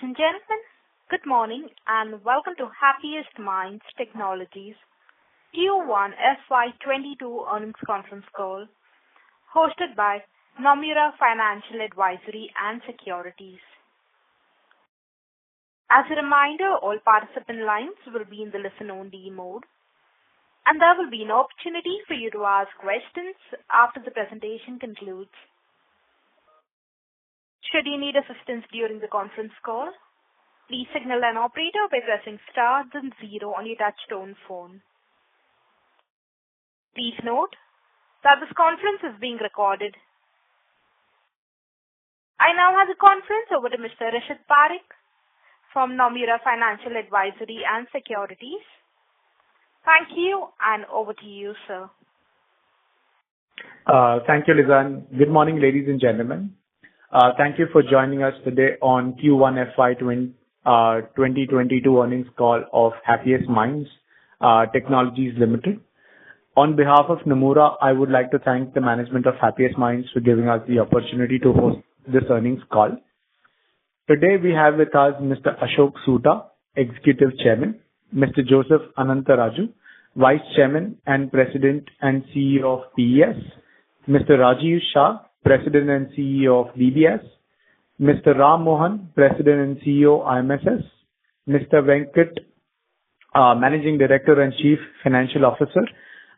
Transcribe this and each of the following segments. Ladies and gentlemen, good morning and welcome to Happiest Minds Technologies Q1 FY 2022 earnings conference call hosted by Nomura Financial Advisory and Securities. As a reminder, all participant lines will be in the listen-only mode, and there will be an opportunity for you to ask questions after the presentation concludes. Should you need assistance during the conference call, please signal an operator by pressing star then zero on your touch-tone phone. Please note that this conference is being recorded. I now hand the conference over to Mr. Rishabh Parekh from Nomura Financial Advisory and Securities. Thank you, and over to you, sir. Thank you, Lizanne. Good morning, ladies and gentlemen. Thank you for joining us today on Q1 FY 2022 earnings call of Happiest Minds Technologies Limited. On behalf of Nomura, I would like to thank the management of Happiest Minds for giving us the opportunity to host this earnings call. Today we have with us Mr. Ashok Soota, Executive Chairman, Mr. Joseph Anantharaju, Vice Chairman and President and CEO of PES, Mr. Rajiv Shah, President & CEO of DBS, Mr. Ram Mohan, President and CEO, IMSS, Mr. Venkat, Managing Director and Chief Financial Officer,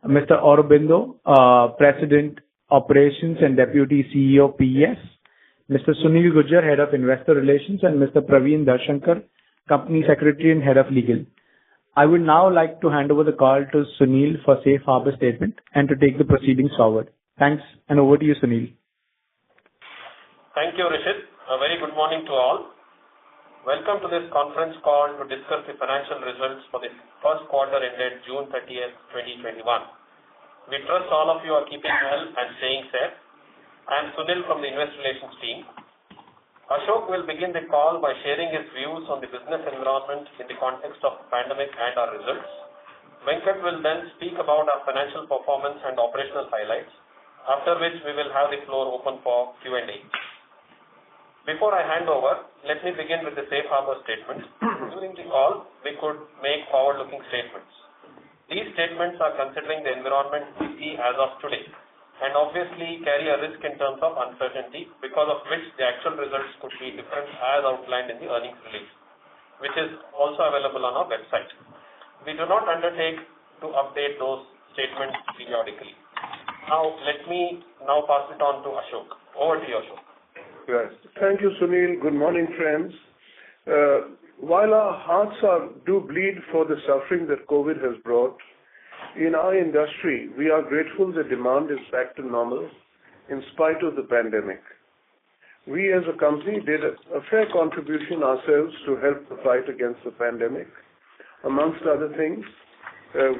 Mr. Aurobinda, President, Operations, & Deputy CEO, PES, Mr. Sunil Gujjar, Head of Investor Relations, and Mr. Praveen Darshankar, Company Secretary and Head of Legal. I would now like to hand over the call to Sunil for safe harbor statement and to take the proceedings forward. Thanks, and over to you, Sunil. Thank you, Rishabh. A very good morning to all. Welcome to this conference call to discuss the financial results for the first quarter ended June 30th, 2021. We trust all of you are keeping well and staying safe. I am Sunil from the investor relations team. Ashok will begin the call by sharing his views on the business environment in the context of pandemic and our results. Venkat will then speak about our financial performance and operational highlights, after which we will have the floor open for Q&A. Before I hand over, let me begin with the safe harbor statement. During the call, we could make forward-looking statements. These statements are considering the environment we see as of today, and obviously carry a risk in terms of uncertainty, because of which the actual results could be different as outlined in the earnings release, which is also available on our website. We do not undertake to update those statements periodically. Let me now pass it on to Ashok. Over to you, Ashok. Yes. Thank you, Sunil. Good morning, friends. While our hearts do bleed for the suffering that COVID has brought, in our industry, we are grateful the demand is back to normal in spite of the pandemic. We as a company did a fair contribution ourselves to help the fight against the pandemic. Amongst other things,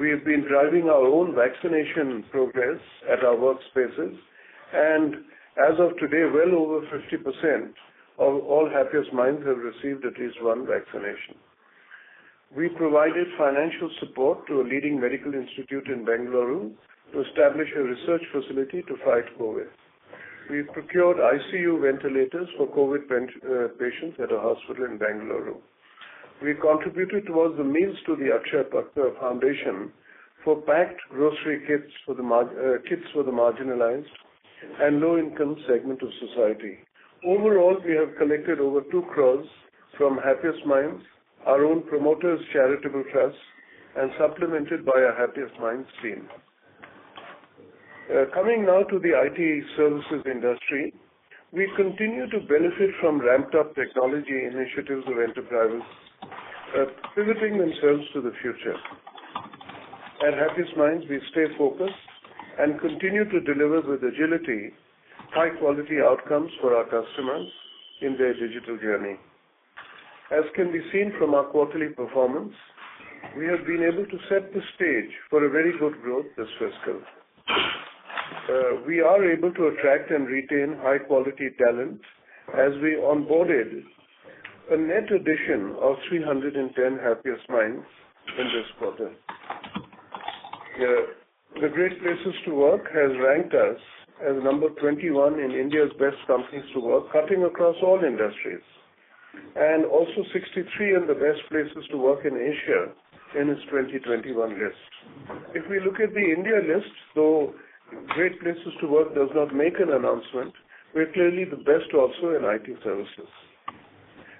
we've been driving our own vaccination progress at our workspaces, and as of today, well over 50% of all Happiest Minds have received at least one vaccination. We provided financial support to a leading medical institute in Bengaluru to establish a research facility to fight COVID. We've procured ICU ventilators for COVID patients at a hospital in Bengaluru. We contributed towards the means to The Akshaya Patra Foundation for packed grocery kits for the marginalized and low-income segment of society. Overall, we have collected over 2 crore from Happiest Minds, our own promoters' charitable trust, and supplemented by our Happiest Minds team. Coming now to the IT services industry. We continue to benefit from ramped-up technology initiatives of enterprises pivoting themselves to the future. At Happiest Minds, we stay focused and continue to deliver with agility, high-quality outcomes for our customers in their digital journey. As can be seen from our quarterly performance, we have been able to set the stage for a very good growth this fiscal. We are able to attract and retain high-quality talent as we onboarded a net addition of 310 Happiest Minds in this quarter. The Great Place to Work has ranked us as number 21 in India's best companies to work, cutting across all industries, and also 63 of the best places to work in Asia in its 2021 list. If we look at the India list, though Great Place to Work does not make an announcement, we're clearly the best also in IT services.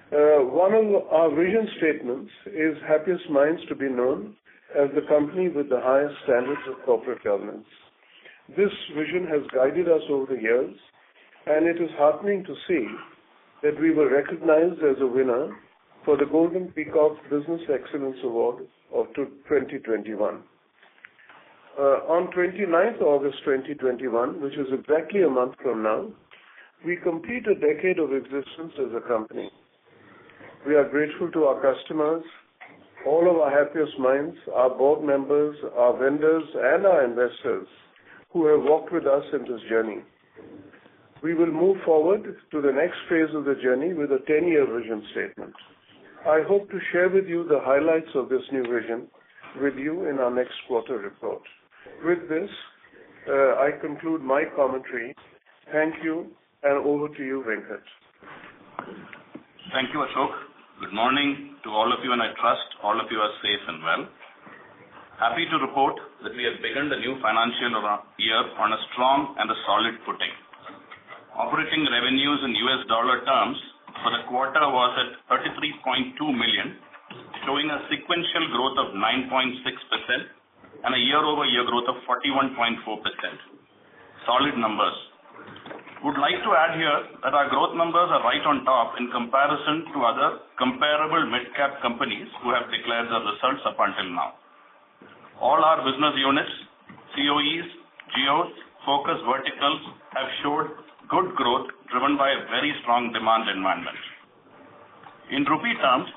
One of our vision statements is Happiest Minds to be known as the company with the highest standards of corporate governance. This vision has guided us over the years, and it is heartening to see that we were recognized as a winner for the Golden Peacock Business Excellence Award of 2021. On 29th August 2021, which is exactly a month from now, we complete a decade of existence as a company. We are grateful to our customers, all of our Happiest Minds, our board members, our vendors, and our investors who have walked with us in this journey. We will move forward to the next phase of the journey with a 10-year vision statement. I hope to share with you the highlights of this new vision with you in our next quarter report. With this, I conclude my commentary. Thank you, and over to you, Venkat. Thank you, Ashok. Good morning to all of you. I trust all of you are safe and well. Happy to report that we have begun the new financial year on a strong and a solid footing. Operating revenues in U.S. dollar terms for the quarter was at $33.2 million, showing a sequential growth of 9.6% and a year-over-year growth of 41.4%. Solid numbers. Would like to add here that our growth numbers are right on top in comparison to other comparable mid-cap companies who have declared their results up until now. All our business units, COEs, geos, focus verticals, have showed good growth, driven by a very strong demand environment. In INR terms,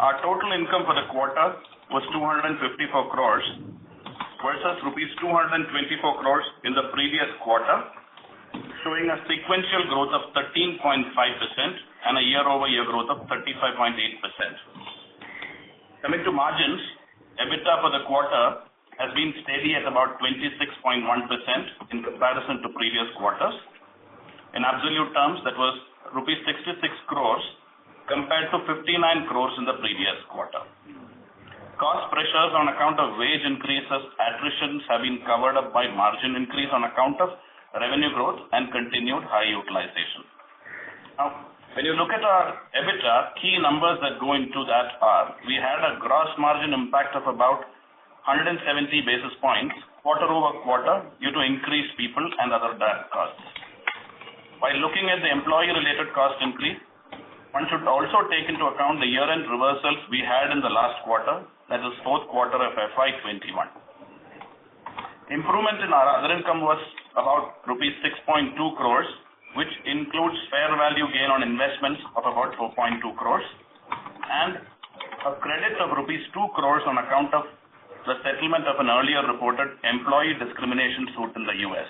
our total income for the quarter was 254 crore, versus rupees 224 crore in the previous quarter, showing a sequential growth of 13.5% and a year-over-year growth of 35.8%. Coming to margins, EBITDA for the quarter has been steady at about 26.1% in comparison to previous quarters. In absolute terms, that was rupees 66 crore compared to 59 crore in the previous quarter. Cost pressures on account of wage increases, attritions have been covered up by margin increase on account of revenue growth and continued high utilization. When you look at our EBITDA, key numbers that go into that are, we had a gross margin impact of about 170 basis points quarter-over-quarter due to increased people and other direct costs. While looking at the employee-related cost increase, one should also take into account the year-end reversals we had in the last quarter, that is fourth quarter of FY 2021. Improvement in our other income was about rupees 6.2 crore, which includes fair value gain on investments of about 4.2 crore and a credit of rupees 2 crore on account of the settlement of an earlier reported employee discrimination suit in the U.S.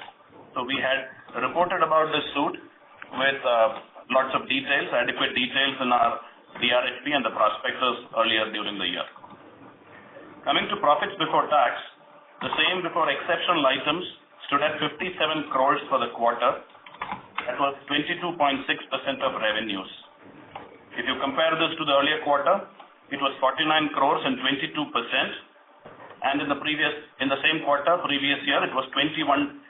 We had reported about this suit with lots of details, adequate details in our DRHP and the prospectus earlier during the year. Coming to profits before tax, the same before exceptional items stood at 57 crore for the quarter. That was 22.6% of revenues. If you compare this to the earlier quarter, it was 49 crore and 22%, and in the same quarter previous year, it was 21.8%.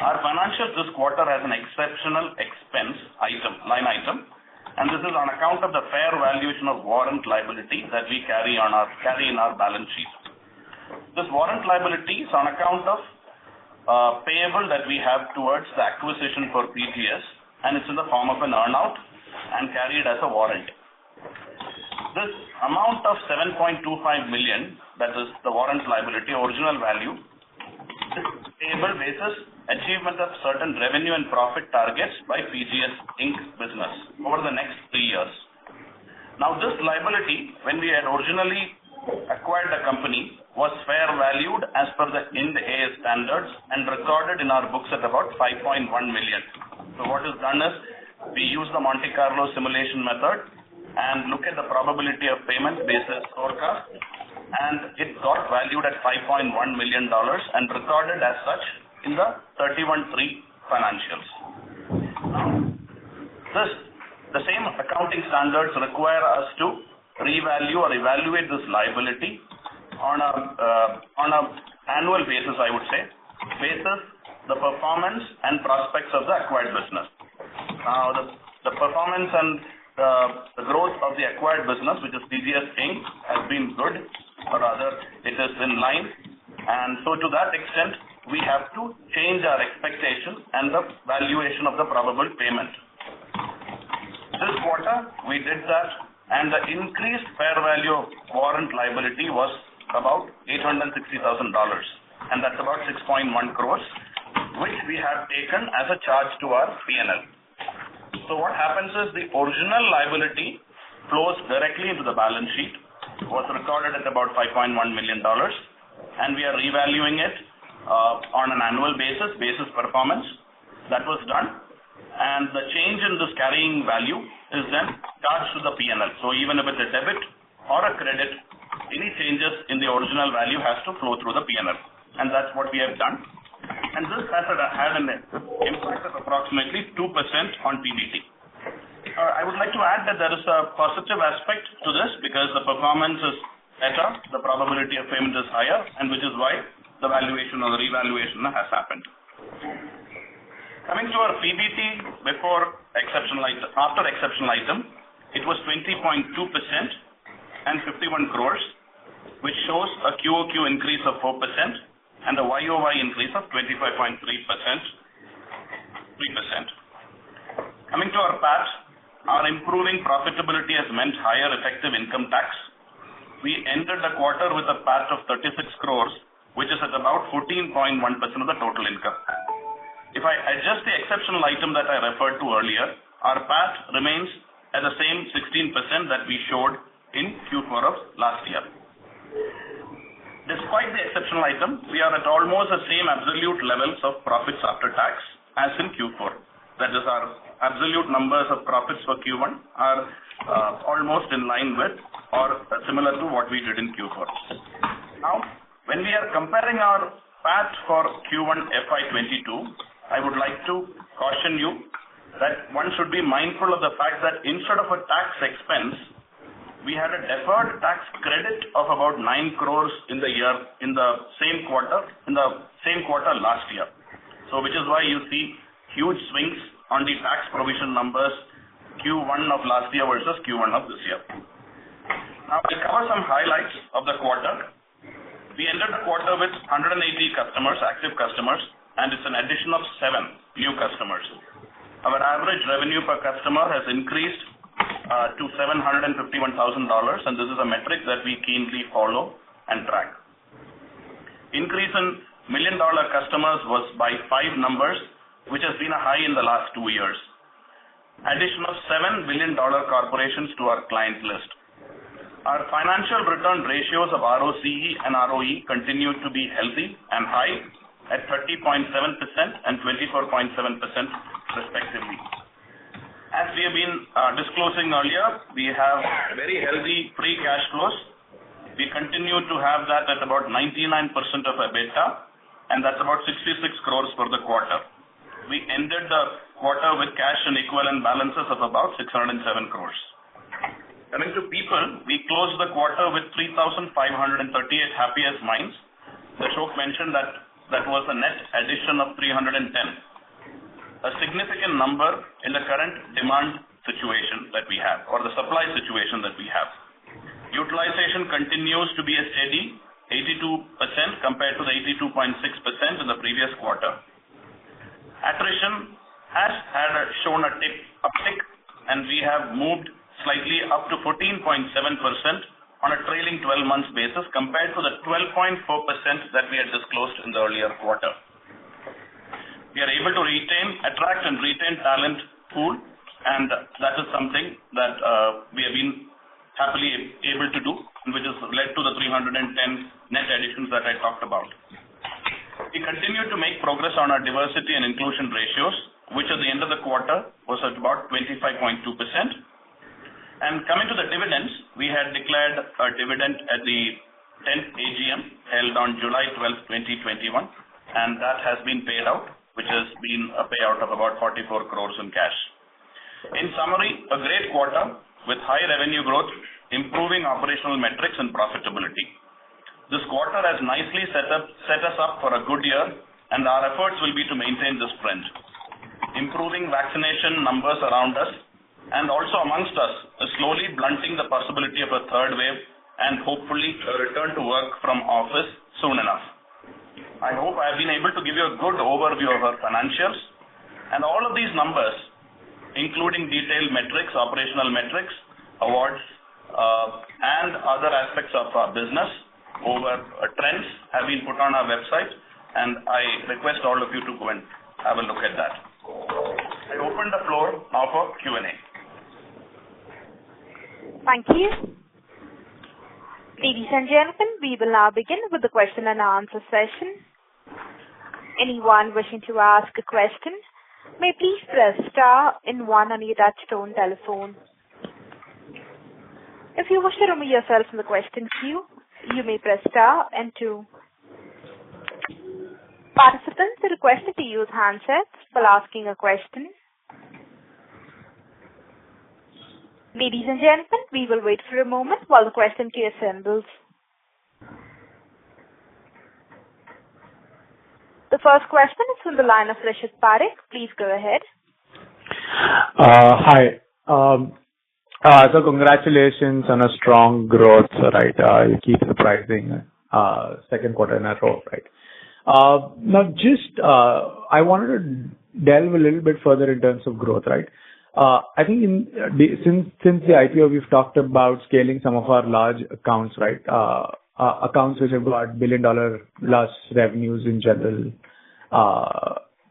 Our financials this quarter has an exceptional expense line item, and this is on account of the fair valuation of warrant liability that we carry in our balance sheet. This warrant liability is on account of payable that we have towards the acquisition for PGS Inc., and it's in the form of an earn-out and carried as a warrant. This amount of $7.25 million, that is the warrant liability original value, this payable bases achievement of certain revenue and profit targets by PGS Inc. business over the next three years. This liability, when we had originally acquired the company, was fair valued as per the IND-AS standards and recorded in our books at about $5.1 million. What is done is we use the Monte Carlo simulation method and look at the probability of payment basis forecast, and it got valued at $5.1 million and recorded as such in the 31 financials. The same accounting standards require us to revalue or evaluate this liability on an annual basis, I would say, basis the performance and prospects of the acquired business. The performance and the growth of the acquired business, which is PGS Inc., has been good or rather it has been in line. To that extent, we have to change our expectations and the valuation of the probable payment. This quarter, we did that, and the increased fair value of warrant liability was about $860,000, and that's about 6.1 crore, which we have taken as a charge to our P&L. What happens is the original liability flows directly into the balance sheet, was recorded at about $5.1 million, and we are revaluing it on an annual basis performance. That was done. The change in this carrying value is then charged to the P&L. Even if it is a debit or a credit, any changes in the original value has to flow through the P&L, and that's what we have done. This has had an impact of approximately 2% on PBT. I would like to add that there is a positive aspect to this because the performance is better, the probability of payment is higher, and which is why the valuation or the revaluation has happened. Coming to our PBT after exceptional item, it was 20.2% and 51 crore, which shows a QoQ increase of 4% and a YoY increase of 25.3%. Coming to our PAT, our improving profitability has meant higher effective income tax. We entered the quarter with a PAT of 36 crore, which is at about 14.1% of the total income. If I adjust the exceptional item that I referred to earlier, our PAT remains at the same 16% that we showed in Q4 of last year. Item, we are at almost the same absolute levels of profits after tax as in Q4. That is our absolute numbers of profits for Q1 are almost in line with or similar to what we did in Q4. When we are comparing our PATs for Q1 FY22, I would like to caution you that one should be mindful of the fact that instead of a tax expense, we had a deferred tax credit of about 9 crore in the same quarter last year. Which is why you see huge swings on the tax provision numbers Q1 of last year versus Q1 of this year. I'll cover some highlights of the quarter. We entered the quarter with 180 active customers, and it's an addition of seven new customers. Our average revenue per customer has increased to $751,000, and this is a metric that we keenly follow and track. Increase in million-dollar customers was by five numbers, which has been a high in the last two years. Addition of seven billion-dollar corporations to our client list. Our financial return ratios of ROCE and ROE continue to be healthy and high at 30.7% and 24.7% respectively. As we have been disclosing earlier, we have very healthy free cash flows. We continue to have that at about 99% of our EBITDA, and that's about 66 crore for the quarter. We ended the quarter with cash and equivalent balances of about 607 crore. Coming to people, we closed the quarter with 3,538 Happiest Minds. Ashok mentioned that was a net addition of 310. A significant number in the current demand situation that we have or the supply situation that we have. Utilization continues to be a steady 82% compared to the 82.6% in the previous quarter. Attrition has shown a tick. We have moved slightly up to 14.7% on a trailing 12 months basis compared to the 12.4% that we had disclosed in the earlier quarter. We are able to attract and retain talent pool. That is something that we have been happily able to do, which has led to the 310 net additions that I talked about. We continue to make progress on our diversity and inclusion ratios, which at the end of the quarter was at about 25.2%. Coming to the dividends, we had declared a dividend at the 10th AGM held on July 12th, 2021, and that has been paid out, which has been a payout of about 44 crore in cash. In summary, a great quarter with high revenue growth, improving operational metrics and profitability. This quarter has nicely set us up for a good year, and our efforts will be to maintain this pace. Improving vaccination numbers around us and also amongst us are slowly blunting the possibility of a third wave and hopefully a return to work from office soon enough. I hope I have been able to give you a good overview of our financials and all of these numbers, including detailed metrics, operational metrics, awards, and other aspects of our business over trends have been put on our website, and I request all of you to go and have a look at that. I open the floor now for Q&A. Thank you. Ladies and gentlemen, we will now begin with the question and answer session. Anyone willing to ask a question, may please press star and one on your touch-tone telephone. If you have set up yourself in the question queue, you may press star and two. Participants requested to use handsets for asking a question. Ladies and gentlemen, we will wait for a moment while the questions be assembled. The first question is from the line of Rishabh Parekh. Please go ahead. Hi. Congratulations on a strong growth. You keep surprising second quarter in a row. Just I wanted to delve a little bit further in terms of growth. I think since the IPO, we've talked about scaling some of our large accounts. Accounts which have got billion-dollar plus revenues in general.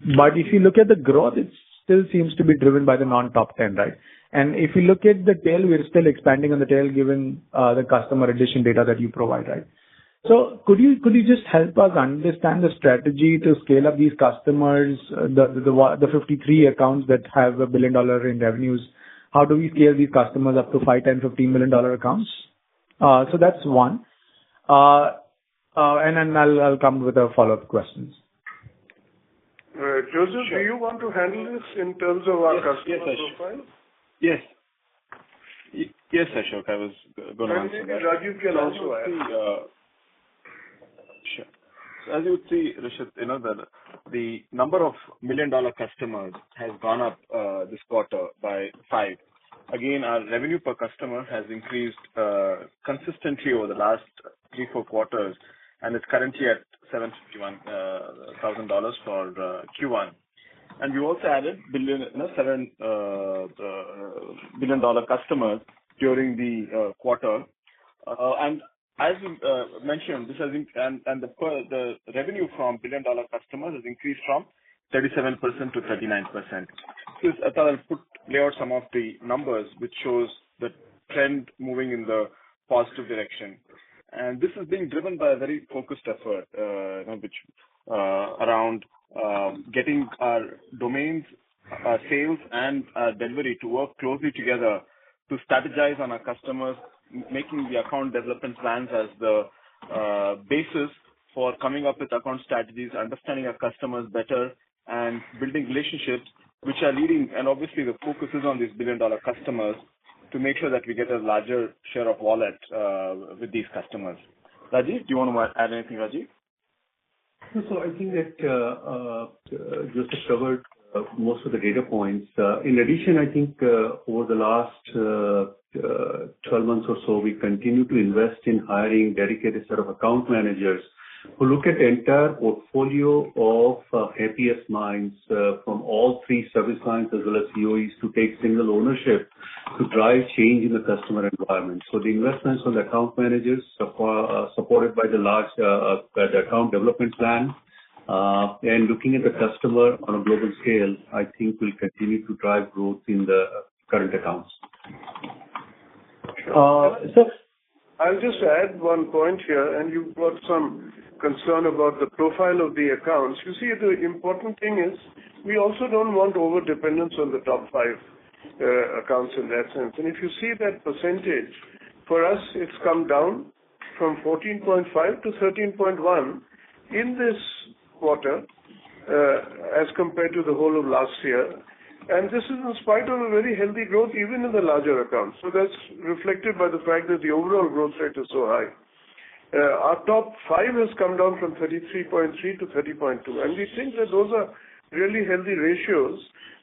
If you look at the growth, it still seems to be driven by the non-top 10. If you look at the tail, we're still expanding on the tail given the customer addition data that you provide. Could you just help us understand the strategy to scale up these customers, the 53 accounts that have INR 1 billion in revenues, how do we scale these customers up to 5 million, 10 million, INR 15 million accounts? That's one. Then I'll come with the follow-up questions. Joseph, do you want to handle this in terms of our customer profile? Yes. Yes, Ashok, I was gonna answer that. Rajiv can also add. Sure. As you would see, Rishabh, the number of million-dollar customers has gone up this quarter by five. Again, our revenue per customer has increased consistently over the last three, four quarters, and it's currently at $751,000 for Q1. We also added seven billion-dollar customers during the quarter. As you mentioned, the revenue from billion-dollar customers has increased from 37%-39%. Since Atul put out some of the numbers, which shows the trend moving in the positive direction. This is being driven by a very focused effort around getting our domains, our sales, and our delivery to work closely together to strategize on our customers, making the account development plans as the basis for coming up with account strategies, understanding our customers better, and building relationships which are leading. Obviously, the focus is on these billion-dollar customers to make sure that we get a larger share of wallet with these customers. Rajiv, do you want to add anything, Rajiv? I think that Joseph covered most of the data points. In addition, I think over the last 12 months or so, we continue to invest in hiring dedicated set of account managers who look at entire portfolio of Happiest Minds from all three service lines as well as COEs to take single ownership to drive change in the customer environment. The investments on the account managers, supported by the account development plan, and looking at the customer on a global scale, I think will continue to drive growth in the current accounts. I'll just add one point here. You've got some concern about the profile of the accounts. You see, the important thing is we also don't want overdependence on the top five accounts in that sense. If you see that percentage, for us, it's come down from 14.5% to 13.1% in this quarter as compared to the whole of last year. This is in spite of a very healthy growth, even in the larger accounts. That's reflected by the fact that the overall growth rate is so high. Our top five has come down from 33.3% to 30.2%. We think that those are really healthy ratios,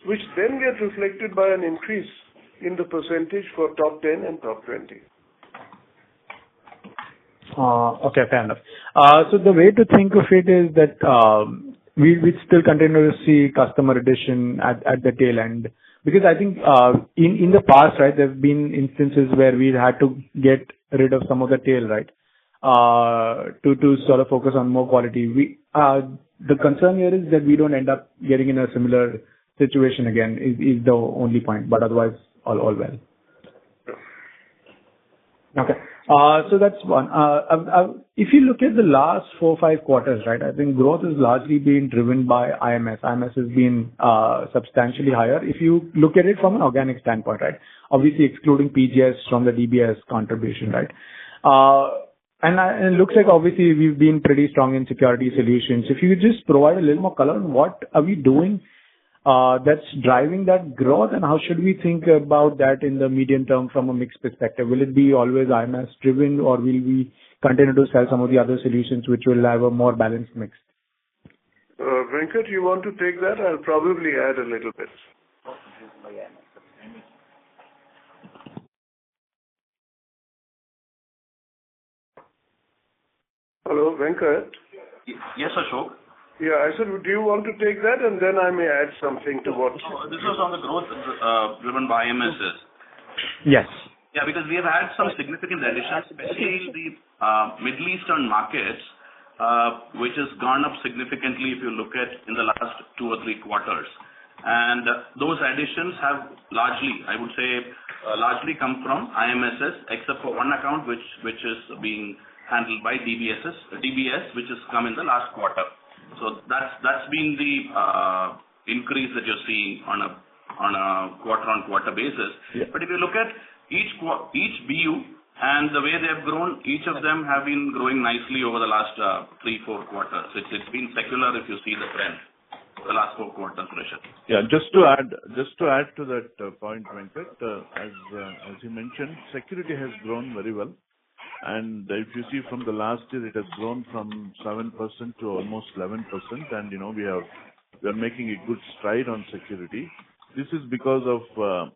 which then get reflected by an increase in the percentage for top 10 and top 20. Okay, fair enough. The way to think of it is that we still continue to see customer addition at the tail end. I think in the past there have been instances where we've had to get rid of some of the tail to sort of focus on more quality. The concern here is that we don't end up getting in a similar situation again, is the only point. Otherwise, all well. Okay. That's one. If you look at the last four or five quarters, I think growth has largely been driven by IMSS. IMSS has been substantially higher. If you look at it from an organic standpoint. Obviously, excluding PGS from the DBS contribution. It looks like obviously we've been pretty strong in security solutions. If you could just provide a little more color on what are we doing that's driving that growth, and how should we think about that in the medium term from a mix perspective? Will it be always IMS-driven, or will we continue to sell some of the other solutions which will have a more balanced mix? Venkat, you want to take that? I'll probably add a little bit. Hello, Venkat? Yes, Ashok. Yeah. I said, do you want to take that, and then I may add something. This was on the growth driven by IMSS? Yes. Yeah, because we have had some significant additions, especially in the Middle Eastern markets, which has gone up significantly if you look at in the last two or three quarters. Those additions have largely, I would say, largely come from IMSS, except for one account, which is being handled by DBS, which has come in the last quarter. That's been the increase that you're seeing on a quarter-on-quarter basis. Yeah. If you look at each BU and the way they have grown, each of them have been growing nicely over the last three, four quarters. It's been secular if you see the trend for the last four quarters, Rishabh. Yeah, just to add to that point, Venkat. As you mentioned, security has grown very well. If you see from the last year, it has grown from 7% to almost 11%, and we are making a good stride on security. This is because of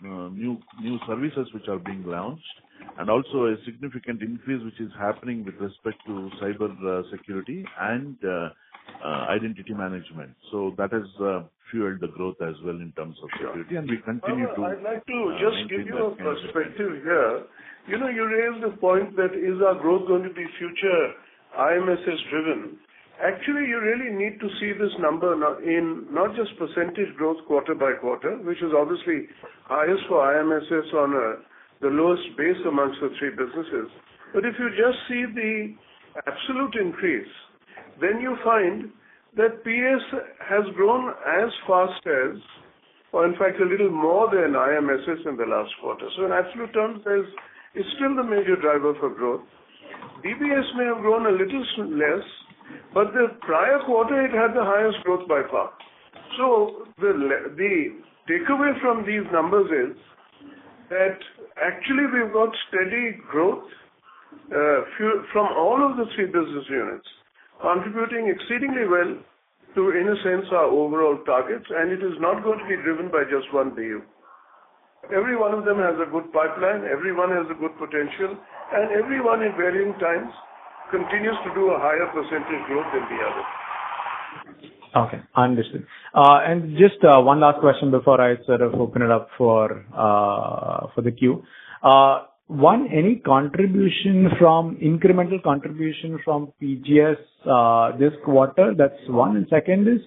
new services which are being launched and also a significant increase which is happening with respect to cyber security and identity management. That has fueled the growth as well in terms of security, and we continue to. I'd like to just give you a perspective here. You raised the point that is our growth going to be future IMSS-driven. Actually, you really need to see this number in not just percentage growth quarter by quarter, which is obviously highest for IMSS on the lowest base amongst the three businesses. If you just see the absolute increase, then you find that PES has grown as fast as, or in fact, a little more than IMSS in the last quarter. In absolute terms, PES is still the major driver for growth. DBS may have grown a little less, but the prior quarter, it had the highest growth by far. The takeaway from these numbers is that actually we've got steady growth from all of the three business units contributing exceedingly well to, in a sense, our overall targets, and it is not going to be driven by just one BU. Every one of them has a good pipeline, every one has a good potential, and every one in varying times continues to do a higher percentage growth than the other. Okay, understood. Just one last question before I sort of open it up for. For the queue any incremental contribution from PGS this quarter? That's one. Second is,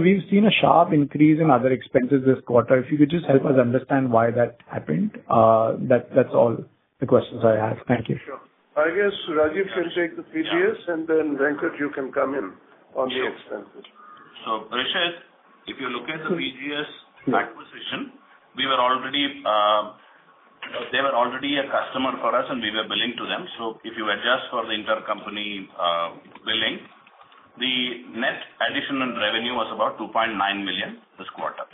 we've seen a sharp increase in other expenses this quarter. If you could just help us understand why that happened. That's all the questions I have. Thank you. Sure. I guess Rajiv can take the PGS, and then Venkat, you can come in on the expenses. Sure. Rishabh, if you look at the PGS acquisition, they were already a customer for us, and we were billing to them. If you adjust for the intercompany billing, the net additional revenue was about $2.9 million this quarter.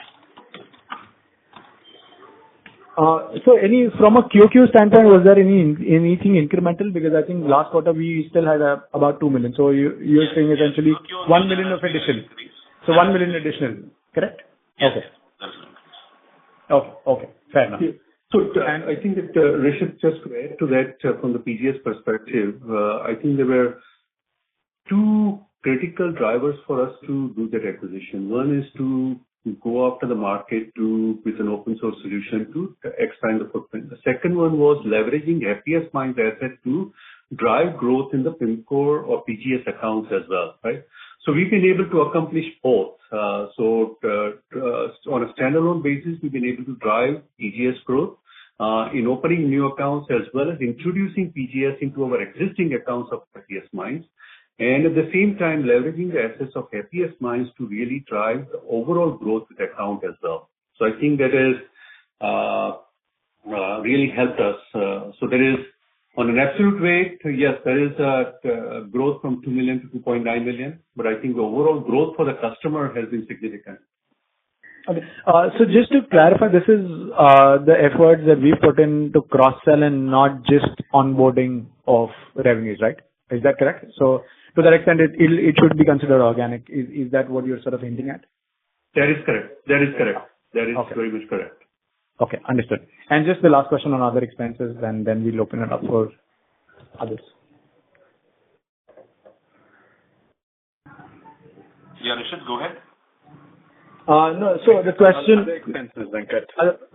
From a QoQ standpoint, was there anything incremental? I think last quarter we still had about $2 million. You're saying essentially $1 million of additional. $1 million additional, correct? Yes. Okay. Fair enough. I think that Rishabh just read to that from the PGS perspective. I think there were two critical drivers for us to do that acquisition. One is to go after the market with an open source solution to expand the footprint. The second one was leveraging Happiest Minds asset to drive growth in the Pimcore or PGS accounts as well. We've been able to accomplish both. On a standalone basis, we've been able to drive PGS growth, in opening new accounts as well as introducing PGS into our existing accounts of Happiest Minds. At the same time leveraging the assets of Happiest Minds to really drive the overall growth of the account as well. I think that has really helped us. On an absolute rate, yes, there is a growth from $2 million to $2.9 million, but I think the overall growth for the customer has been significant. Okay. Just to clarify, this is the efforts that we've put in to cross-sell and not just onboarding of revenues, right? Is that correct? To that extent, it should be considered organic. Is that what you're sort of hinting at? That is correct. Okay. That is very much correct. Okay. Understood. Just the last question on other expenses, and then we'll open it up for others. Yeah, Rishabh, go ahead. No. Other expenses, Venkat.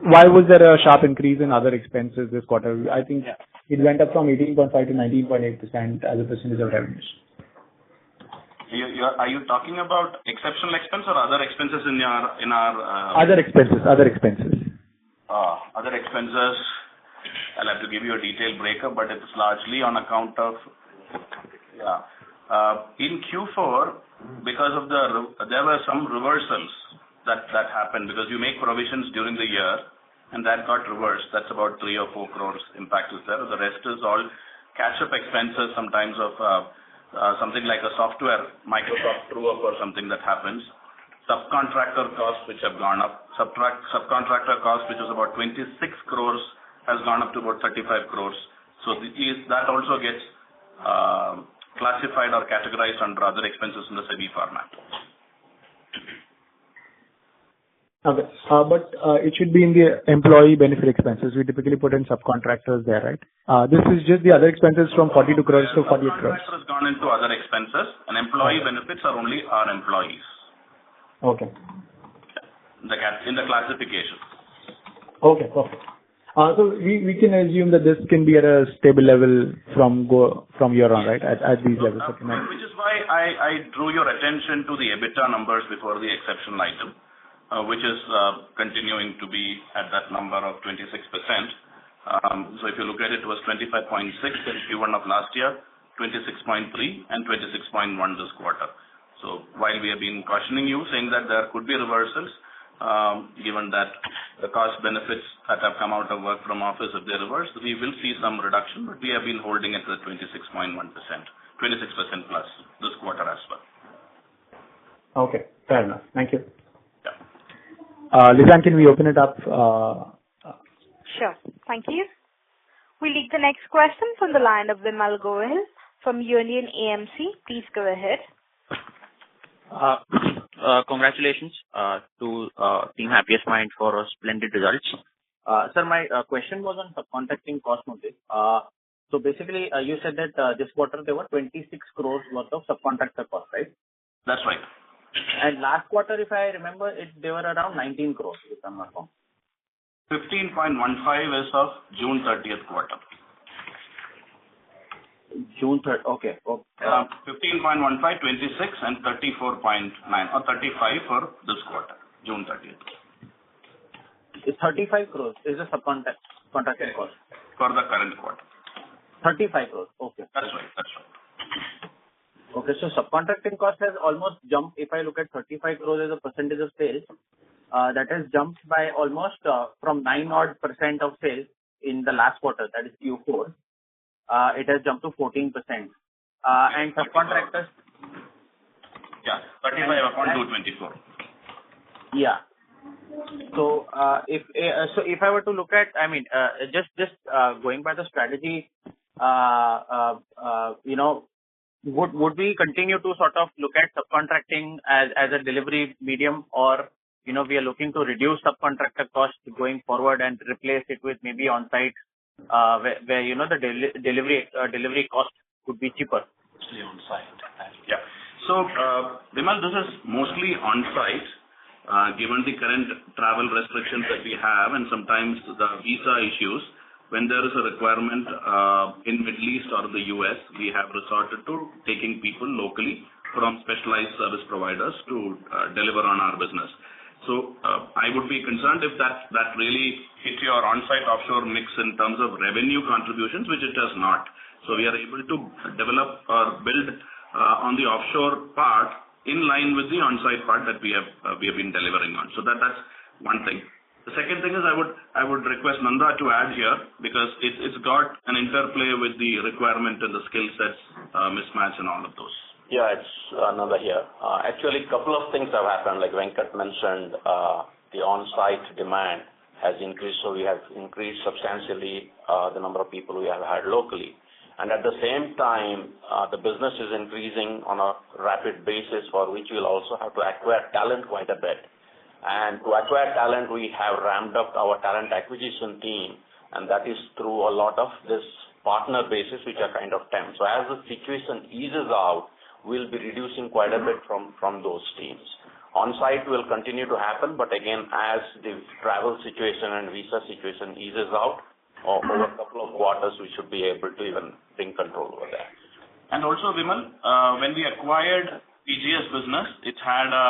Why was there a sharp increase in other expenses this quarter? I think it went up from 18.5% to 19.8% as a percentage of revenues. Are you talking about exceptional expense or other expenses? Other expenses. Other expenses. I'll have to give you a detailed breakup, but it's largely on account of In Q4, there were some reversals that happened because you make provisions during the year, and that got reversed. That's about 3 or 4 crore impact is there. The rest is all catch-up expenses, sometimes of something like a software, Microsoft TrueUp or something that happens. Subcontractor costs which have gone up. Subcontractor cost, which was about 26 crore, has gone up to about 35 crore. That also gets classified or categorized under other expenses in the SEBI format. Okay. It should be in the employee benefit expenses. We typically put in subcontractors there, right? This is just the other expenses from 42 crore-48 crore. Subcontractor has gone into other expenses, and employee benefits are only our employees. Okay. In the classification. Okay. Perfect. We can assume that this can be at a stable level from here on, right? At these levels approximately. Which is why I drew your attention to the EBITDA numbers before the exceptional item. Which is continuing to be at that number of 26%. If you look at it was 25.6% in Q1 of last year, 26.3%, and 26.1% this quarter. While we have been cautioning you, saying that there could be reversals, given that the cost benefits that have come out of work from office, if they're reversed, we will see some reduction, but we have been holding it to the 26.1%. 26%+ this quarter as well. Okay. Fair enough. Thank you. Yeah. Lizanne, can we open it up? Sure. Thank you. We'll take the next question from the line of Vimal Gohil from Union AMC. Please go ahead. Congratulations to Team Happiest Minds for our splendid results. Sir, my question was on subcontracting costs model. Basically, you said that this quarter, there were 26 crore worth of subcontractor costs, right? That's right. Last quarter, if I remember it, they were around 19 crore, if I'm not wrong. 15.15% as of June 30th quarter. Okay. 15.15%, 26%, and 34.9%, or 35% for this quarter, June 30th. INR 35 crore is the subcontracting cost? For the current quarter. 35 crore. Okay. That's right. Okay. Subcontracting cost has almost jumped. If I look at 35 crore as a percentage of sales, that has jumped by almost from 9-odd percent of sales in the last quarter, that is Q4. It has jumped to 14%. Yeah. 35 upon 224. Yeah. If I were to look at, just going by the strategy, would we continue to sort of look at subcontracting as a delivery medium or we are looking to reduce subcontractor costs going forward and replace it with maybe on-site where the delivery cost could be cheaper? Vimal, this is mostly on-site. Given the current travel restrictions that we have, and sometimes the visa issues, when there is a requirement in Middle East or the U.S., we have resorted to taking people locally from specialized service providers to deliver on our business. I would be concerned if that really hits your on-site offshore mix in terms of revenue contributions, which it does not. We are able to develop or build on the offshore part in line with the on-site part that we have been delivering on. That's one thing. The second thing is I would request Nanda to add here because it's got an interplay with the requirement and the skill sets mismatch and all of those. Yeah. It is Nanda here. Actually, couple of things have happened, like Venkat mentioned, the on-site demand has increased. We have increased substantially, the number of people we have hired locally. At the same time, the business is increasing on a rapid basis for which we will also have to acquire talent quite a bit. To acquire talent, we have ramped up our talent acquisition team, and that is through a lot of this partner basis, which are kind of temp. As the situation eases out, we will be reducing quite a bit from those teams. On-site will continue to happen, but again, as the travel situation and visa situation eases out over a couple of quarters, we should be able to even take control over that. Also, Vimal, when we acquired PGS business, it had a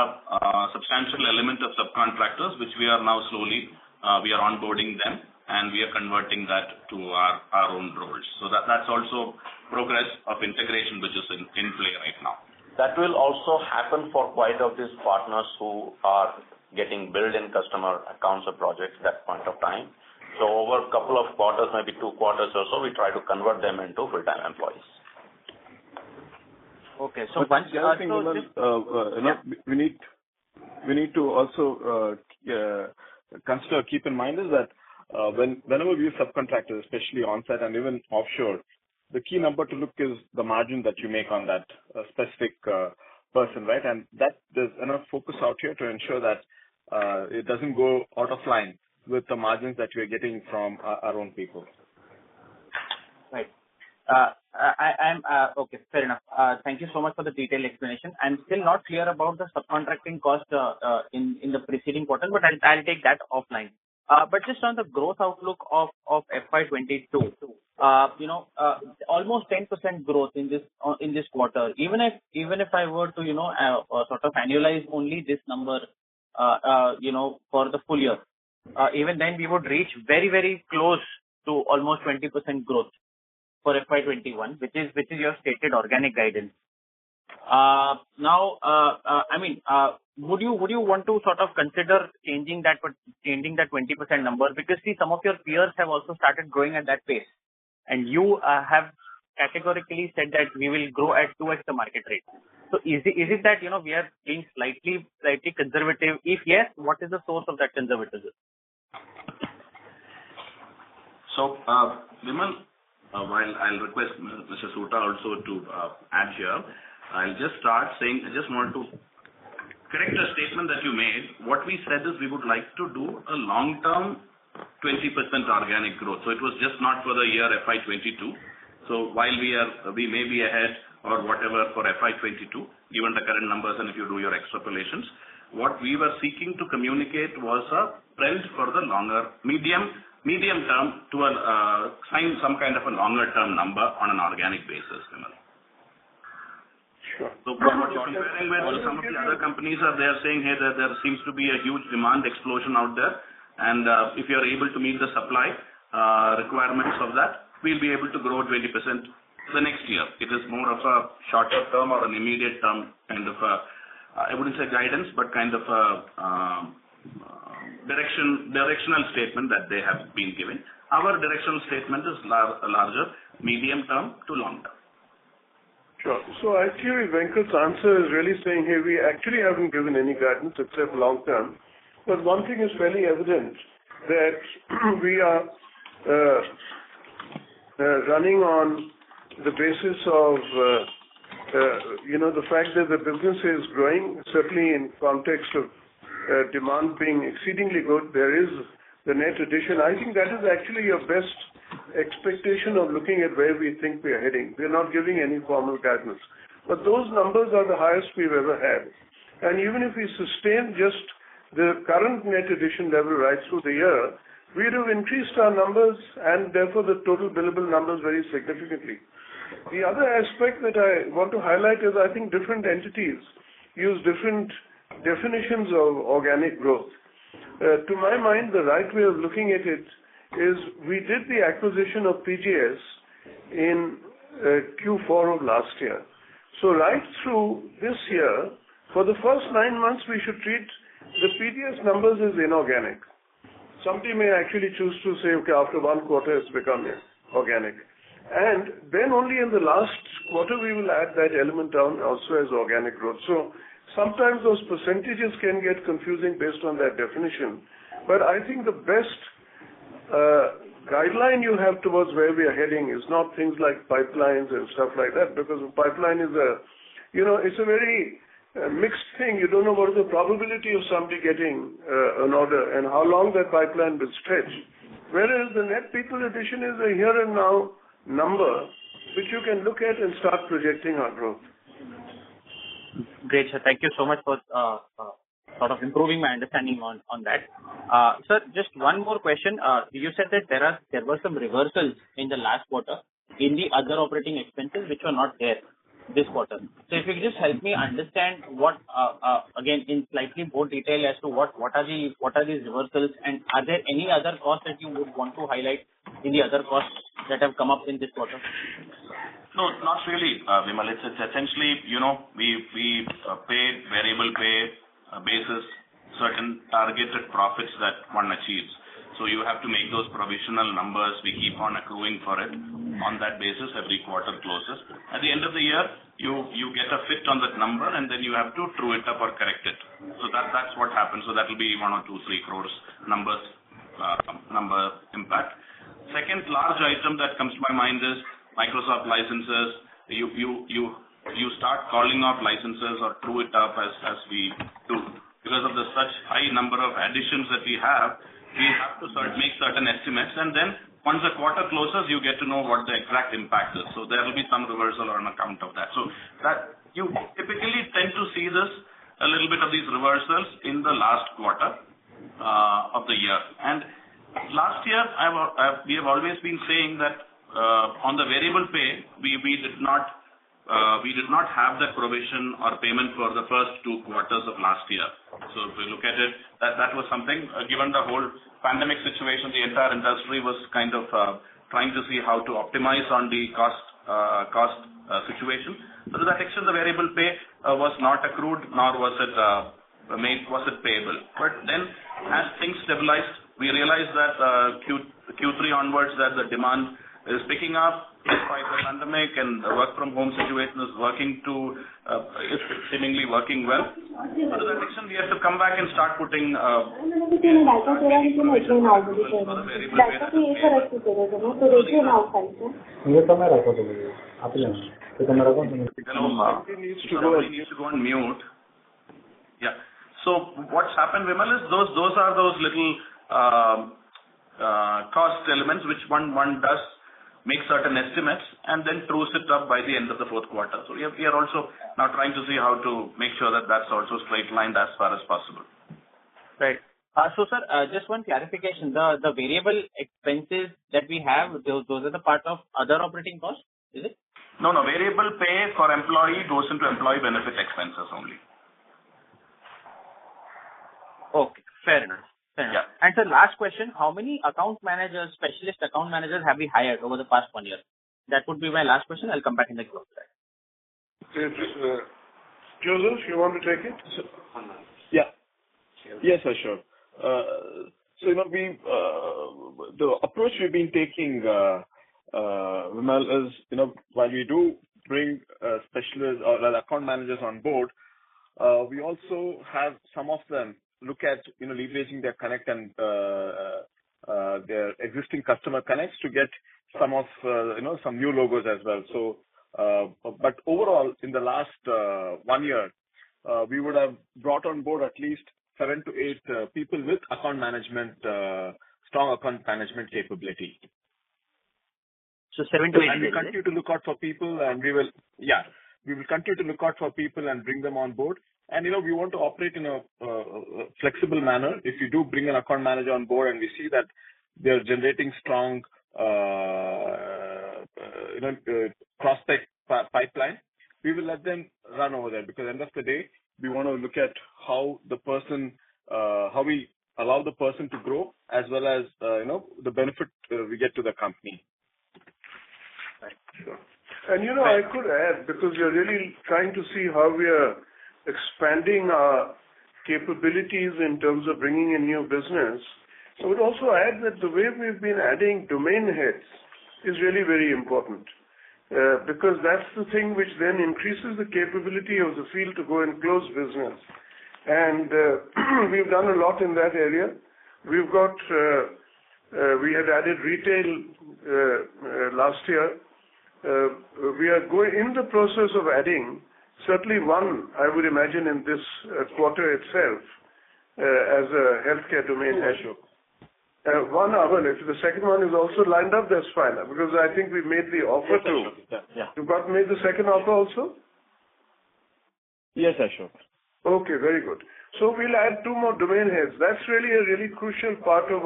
substantial element of subcontractors, which we are now slowly onboarding them, and we are converting that to our own roles. That's also progress of integration, which is in play right now. That will also happen for quite a few of these partners who are getting billed in customer accounts or projects that point of time. Over a couple of quarters, maybe two quarters or so, we try to convert them into full-time employees. Okay. The other thing, Vimal. Yeah. We need to also keep in mind is that whenever we use subcontractors, especially on-site and even offshore, the key number to look is the margin that you make on that specific person, right? There's enough focus out here to ensure that it doesn't go out of line with the margins that we're getting from our own people. Right. Okay, fair enough. Thank you so much for the detailed explanation. I'm still not clear about the subcontracting cost in the preceding quarter, but I'll take that offline. Just on the growth outlook of FY 2022. Almost 10% growth in this quarter. Even if I were to sort of annualize only this number for the full year, even then we would reach very close to almost 20% growth for FY 2021, which is your stated organic guidance. Would you want to sort of consider changing that 20% number? See, some of your peers have also started growing at that pace, and you have categorically said that we will grow at twice the market rate. Is it that we are being slightly conservative? If yes, what is the source of that conservatism? Vimal, while I'll request Mr. Soota also to add here, I'll just start saying I just want to correct a statement that you made. What we said is we would like to do a long-term 20% organic growth, it was just not for the year FY 2022. While we may be ahead or whatever for FY 2022, given the current numbers and if you do your extrapolations, what we were seeking to communicate was a trend for the medium-term to assign some kind of a longer-term number on an organic basis, Vimal. Sure. From what you're comparing with some of the other companies are there saying, "Hey, there seems to be a huge demand explosion out there," and if you're able to meet the supply requirements of that, we'll be able to grow 20% for the next year. It is more of a shorter-term or an immediate-term kind of a, I wouldn't say guidance, but kind of a directional statement that they have been given. Our directional statement is larger medium-term to long-term. Sure. Actually, Venkat's answer is really saying here we actually haven't given any guidance except long-term. One thing is very evident, that we are running on the basis of the fact that the business is growing, certainly in context of demand being exceedingly good. There is the net addition. I think that is actually your best expectation of looking at where we think we are heading. We're not giving any formal guidance. Those numbers are the highest we've ever had. Even if we sustain just the current net addition level right through the year, we'd have increased our numbers and therefore the total billable numbers very significantly. The other aspect that I want to highlight is I think different entities use different definitions of organic growth. To my mind, the right way of looking at it is we did the acquisition of PGS in Q4 of last year. Right through this year, for the first nine months, we should treat the PGS numbers as inorganic. Some team may actually choose to say, "Okay, after one quarter it's become organic." Then only in the last quarter we will add that element down also as organic growth. Sometimes those percentages can get confusing based on that definition. I think the best guideline you have towards where we are heading is not things like pipelines and stuff like that. A pipeline, it's a very mixed thing. You don't know what is the probability of somebody getting an order and how long that pipeline will stretch. The net people addition is a here and now number which you can look at and start projecting our growth. Great, sir. Thank you so much for improving my understanding on that. Sir, just one more question. You said that there were some reversals in the last quarter in the other operating expenses which were not there this quarter. If you could just help me understand, again, in slightly more detail as to what are these reversals, and are there any other costs that you would want to highlight in the other costs that have come up in this quarter? No, not really, Vimal. It's essentially we paid variable pay basis certain targeted profits that one achieves. You have to make those provisional numbers. We keep on accruing for it on that basis every quarter closes. At the end of the year, you get a fix on that number, and then you have to true it up or correct it. That's what happened. That will be 1 crore or 2 crore, 3 crore number impact. Second large item that comes to my mind is Microsoft licenses. You start calling off licenses or true it up as we do. Because of the such high number of additions that we have, we have to make certain estimates, and then once the quarter closes, you get to know what the exact impact is. There will be some reversal on account of that. You typically tend to see this a little bit of these reversals in the last quarter of the year. Last year, we have always been saying that on the variable pay, we did not have that provision or payment for the first two quarters of last year. If we look at it, that was something, given the whole pandemic situation, the entire industry was kind of trying to see how to optimize on the cost situation. To that extent, the variable pay was not accrued, nor was it payable. As things stabilized, we realized that Q3 onwards, that the demand is picking up despite the pandemic and work-from-home situation is seemingly working well. To that extent, we have to come back and start. Somebody needs to go on mute. Yeah. What's happened, Vimal, is those are those little cost elements which one does make certain estimates and then trues it up by the end of the fourth quarter. We are also now trying to see how to make sure that that's also straight-lined as far as possible. Right. Sir, just one clarification. The variable expenses that we have, those are the part of other operating costs, is it? No. Variable pay for employee goes into employee benefit expenses only. Okay. Fair enough. Yeah. Sir, last question. How many specialist account managers have we hired over the past one year? That would be my last question. I'll come back in the queue after that. Joseph, you want to take it? Yes, Ashok. The approach we've been taking, Vimal, is while we do bring account managers on board, we also have some of them look at leveraging their existing customer connects to get some new logos as well. Overall, in the last one year, we would have brought on board at least seven to eight people with strong account management capability. So seven to eight people- We continue to look out for people. We will continue to look out for people and bring them on board. We want to operate in a flexible manner. If you do bring an account manager on board and we see that they're generating strong prospect pipeline, we will let them run over there, because at the end of the day, we want to look at how we allow the person to grow as well as the benefit we get to the company. Right. Sure. I could add, because we are really trying to see how we are expanding our capabilities in terms of bringing in new business. I would also add that the way we've been adding domain heads is really very important, because that's the thing which then increases the capability of the field to go and close business. We've done a lot in that area. We had added retail last year. We are in the process of adding certainly one, I would imagine, in this quarter itself as a healthcare domain head. Ashok. One, Arun. If the second one is also lined up, that's fine. I think we've made the offer too. Yes, Ashok. Yeah. You've made the second offer also? Yes, Ashok. Okay, very good. We'll add two more domain heads. That's a really crucial part of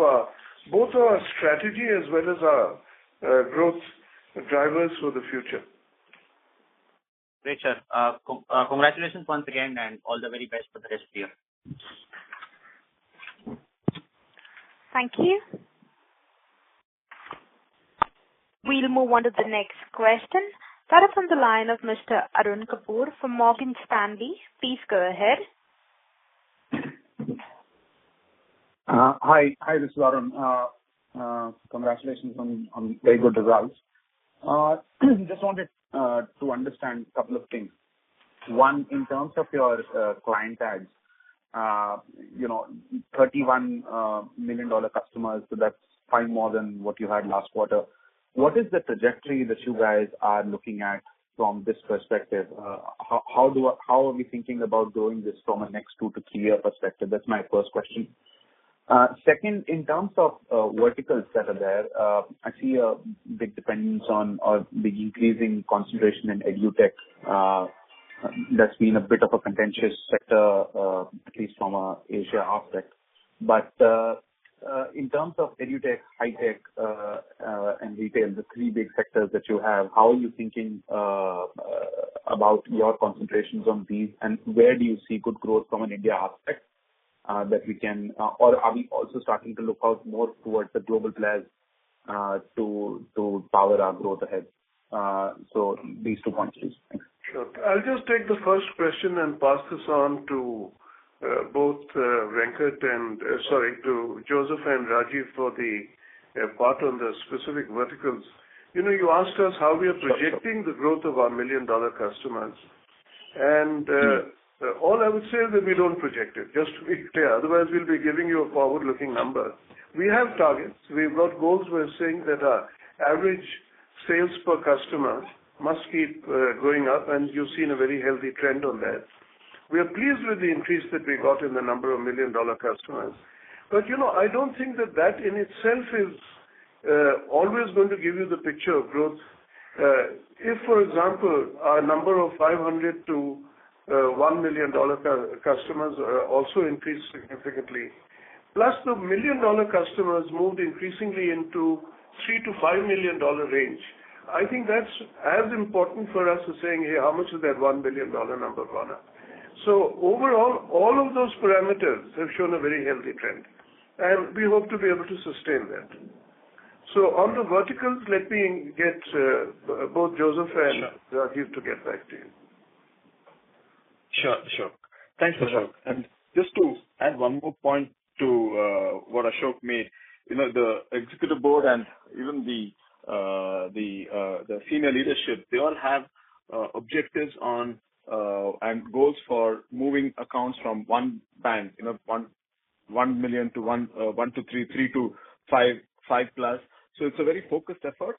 both our strategy as well as our growth drivers for the future. Great, sir. Congratulations once again, and all the very best for the rest of the year. Thank you. We'll move on to the next question. That is on the line of Mr. Arun Kapoor from Morgan Stanley. Please go ahead. Hi, this is Arun. Congratulations on very good results. Just wanted to understand a couple of things. One, in terms of your client adds, $31 million customers, so that's five more than what you had last quarter. What is the trajectory that you guys are looking at from this perspective? How are we thinking about doing this from a next two to three year perspective? That's my first question. Second, in terms of verticals that are there, I see a big dependence on, or big increasing concentration in EdTech. That's been a bit of a contentious sector, at least from a Asia aspect. In terms of EdTech, High-tech, and retail, the three big sectors that you have, how are you thinking about your concentrations on these, and where do you see good growth from an India aspect that we can Or are we also starting to look out more towards the global players, to power our growth ahead? These two points, please. Thanks. Sure. I'll just take the first question and pass this on to both Venkat and, sorry, to Joseph and Rajiv for the part on the specific verticals. You asked us how we are projecting the growth of our million-dollar customers. All I would say is that we don't project it, just to be clear. Otherwise, we'll be giving you a forward-looking number. We have targets. We've got goals. We're saying that our average sales per customer must keep going up, and you've seen a very healthy trend on that. We are pleased with the increase that we got in the number of million-dollar customers. I don't think that that in itself is always going to give you the picture of growth. If, for example, our number of $500-$1 million customers also increased significantly, plus the million-dollar customers moved increasingly into $3 million-$5 million range, I think that's as important for us as saying, "Hey, how much is that $1 million number going up?" Overall, all of those parameters have shown a very healthy trend. We hope to be able to sustain that. On the verticals, let me get both Joseph and Rajiv to get back to you. Sure. Thanks, Ashok. Just to add one more point to what Ashok made. The executive board and even the senior leadership, they all have objectives on, and goals for moving accounts from one bank, 1 million to one to three, three to five plus. It's a very focused effort,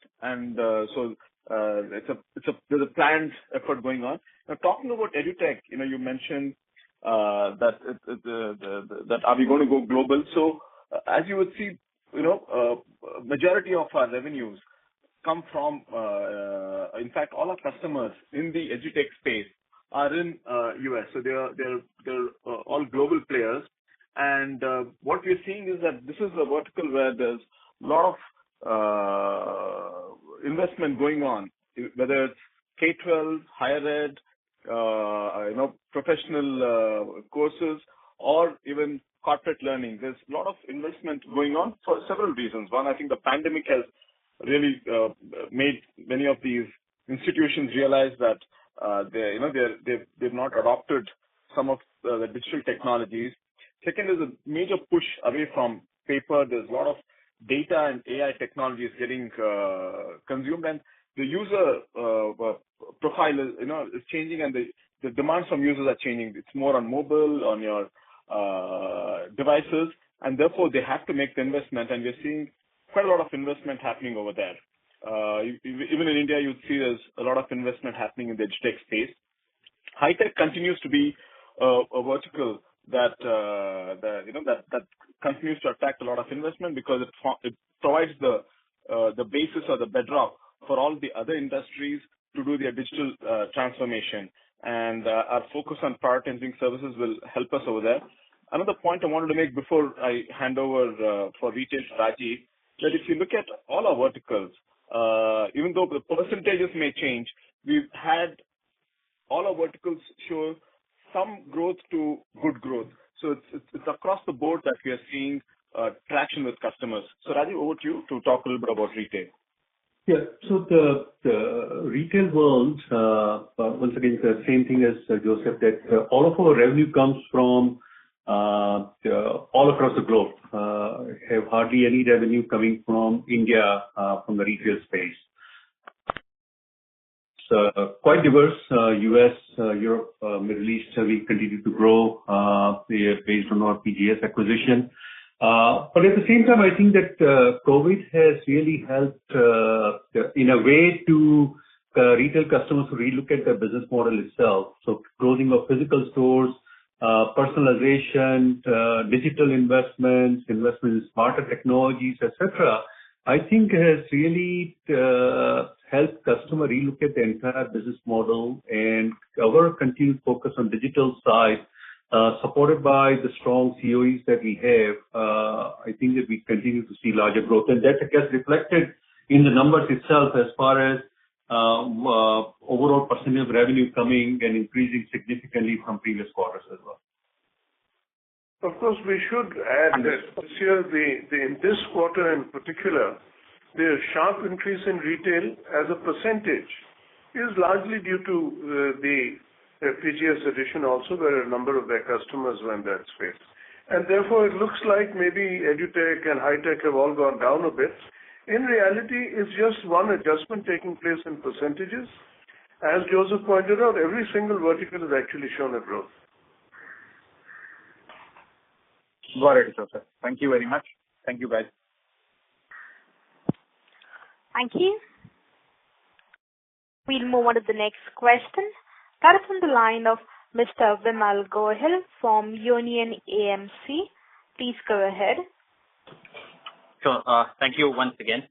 there's a planned effort going on. Talking about EdTech, you mentioned that are we going to go global? As you would see, majority of our revenues come from. In fact, all our customers in the EdTech space are in U.S. They're all global players. What we're seeing is that this is a vertical where there's lot of investment going on, whether it's K-12, higher ed, professional courses or even corporate learning. There's lot of investment going on for several reasons. One, I think the pandemic has really made many of these institutions realize that they've not adopted some of the digital technologies. Second is a major push away from paper. There's a lot of data and AI technologies getting consumed and the user profile is changing, and the demands from users are changing. It's more on mobile, on your devices, and therefore they have to make the investment. We are seeing quite a lot of investment happening over there. Even in India, you'd see there's a lot of investment happening in the EdTech space. High-tech continues to be a vertical that continues to attract a lot of investment because it provides the basis or the bedrock for all the other industries to do their digital transformation. Our focus on Product Engineering Services will help us over there. Another point I wanted to make before I hand over for retail to Rajiv, that if you look at all our verticals, even though the percentages may change, we've had all our verticals show some growth to good growth. It's across the board that we are seeing traction with customers. Rajiv, over to you to talk a little bit about retail. Yeah. The retail world, once again, same thing as Joseph, that all of our revenue comes from all across the globe. We have hardly any revenue coming from India, from the retail space. Quite diverse. U.S., Europe, Middle East, we continue to grow based on our PGS acquisition. At the same time, I think that COVID has really helped, in a way, to retail customers to relook at their business model itself. Closing of physical stores, personalization, digital investments, investment in smarter technologies, et cetera, I think has really helped customer relook at the entire business model. Our continued focus on digital side, supported by the strong COEs that we have, I think that we continue to see larger growth. That gets reflected in the numbers itself as far as overall percentage revenue coming and increasing significantly from previous quarters as well. Of course, we should add that this year, in this quarter in particular, the sharp increase in retail as a percentage is largely due to the PGS addition also, where a number of their customers were in that space. Therefore, it looks like maybe EdTech and High-tech have all gone down a bit. In reality, it's just one adjustment taking place in percentages. As Joseph pointed out, every single vertical has actually shown a growth. Got it, sir. Thank you very much. Thank you, guys. Thank you. We'll move on to the next question. That is on the line of Mr. Vimal Gohil from Union AMC. Please go ahead. Sure. Thank you once again.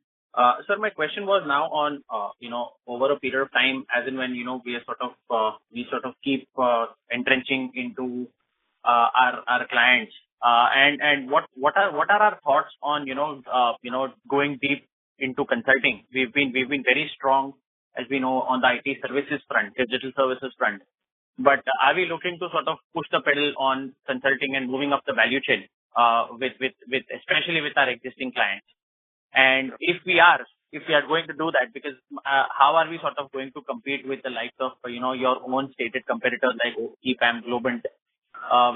Sir, my question was now on, over a period of time, as in when we keep entrenching into our clients. What are our thoughts on going deep into consulting? We've been very strong, as we know, on the IT services front, digital services front. Are we looking to push the pedal on consulting and moving up the value chain especially with our existing clients? If we are going to do that, how are we going to compete with the likes of your own stated competitors like EPAM, Globant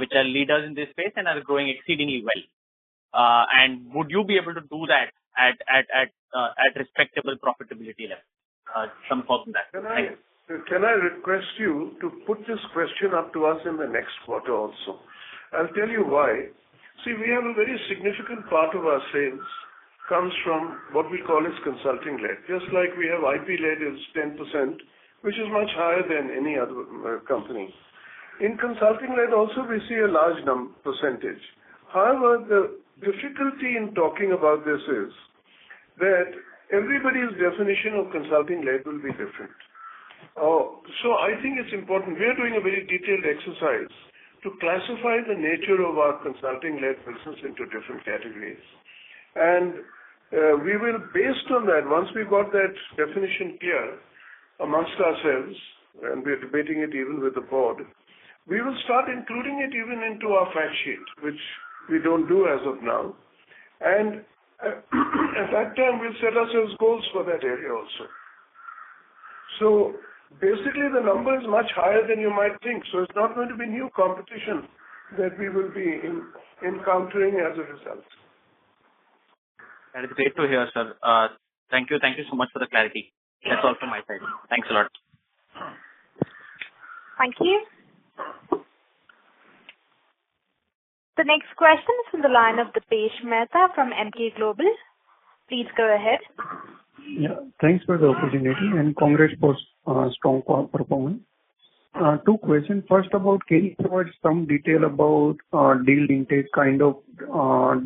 which are leaders in this space and are growing exceedingly well. Would you be able to do that at respectable profitability levels? Some thoughts on that. Thanks. Can I request you to put this question up to us in the next quarter also? I'll tell you why. See, we have a very significant part of our sales comes from what we call is consulting-led. Just like we have IP-led is 10%, which is much higher than any other company. In consulting-led also, we see a large percentage. However, the difficulty in talking about this is that everybody's definition of consulting-led will be different. So I think it's important. We are doing a very detailed exercise to classify the nature of our consulting-led business into different categories. Based on that, once we've got that definition clear amongst ourselves, and we're debating it even with the board, we will start including it even into our fact sheet, which we don't do as of now. At that time, we'll set ourselves goals for that area also. Basically, the number is much higher than you might think. It's not going to be new competition that we will be encountering as a result. That is great to hear, sir. Thank you so much for the clarity. That's all from my side. Thanks a lot. Thank you. The next question is on the line of Dipesh Mehta from Emkay Global. Please go ahead. Thanks for the opportunity, and congrats for strong performance. Two questions. First of all, can you provide some detail about deal intake, kind of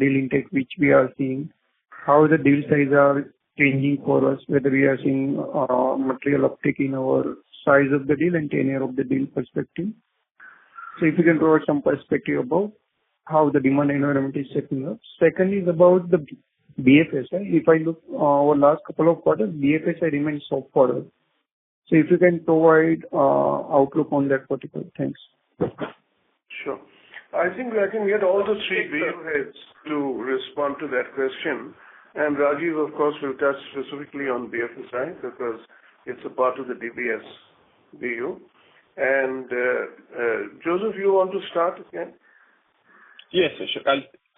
deal intake which we are seeing, how the deal size are changing for us, whether we are seeing material uptick in our size of the deal and tenure of the deal perspective. If you can provide some perspective about how the demand environment is shaping up. Secondly is about the BFSI. If I look over last couple of quarters, BFSI remains soft for us. If you can provide outlook on that particular. Thanks. Sure. I think I can get all the three BU heads to respond to that question. Rajiv, of course, will touch specifically on BFSI because it's a part of the DBS BU. Joseph, you want to start again? Yes, sure.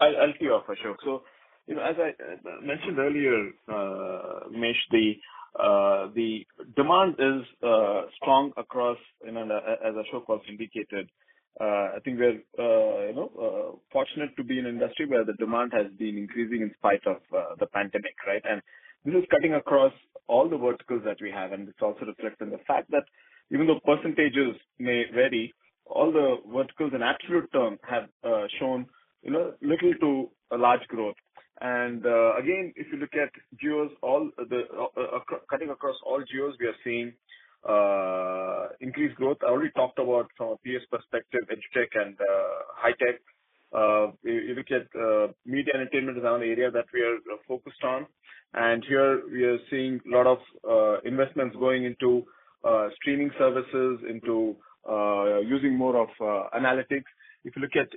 I'll tee off, for sure. As I mentioned earlier, Dipesh, the demand is strong across, as Ashok has indicated. I think we're fortunate to be in an industry where the demand has been increasing in spite of the pandemic. This is cutting across all the verticals that we have, and it's also reflected in the fact that even though percentages may vary, all the verticals in absolute terms have shown little to a large growth. Again, if you look at cutting across all geos, we are seeing increased growth. I already talked about from a DBS perspective, EdTech and High-tech. If you look at media and entertainment is another area that we are focused on. Here we are seeing lot of investments going into streaming services, into using more of analytics. If you look at